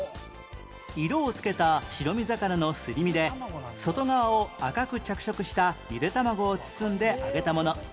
色を付けた白身魚のすり身で外側を赤く着色したゆで卵を包んで揚げたもの